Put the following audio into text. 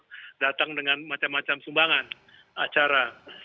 di luxembourg datang dengan macam macam sumbangan acara